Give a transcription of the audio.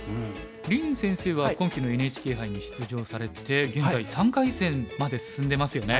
林先生は今期のＮＨＫ杯に出場されて現在３回戦まで進んでますよね。